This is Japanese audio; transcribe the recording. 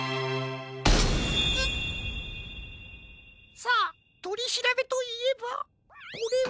さあとりしらべといえばこれを。